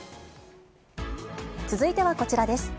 続いてはこちらです。